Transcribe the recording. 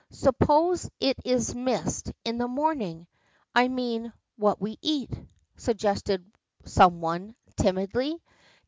"Suppose it is missed in the morning I mean, what we eat," suggested some one, timidly.